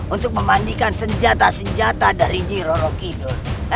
untuk memandikan senjata senjata dari jiro rokido